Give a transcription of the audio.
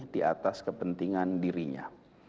di atas kepentingan dirinya